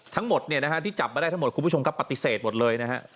ทั้งหมดเนี่ยนะฮะที่จับมาได้ทั้งหมดคุณผู้ชมครับปฏิเสธหมดเลยนะฮะ